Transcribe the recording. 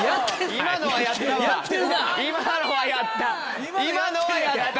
今のはやった！